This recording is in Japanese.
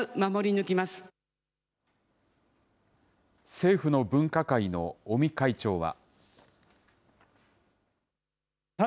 政府の分科会の尾身会長は。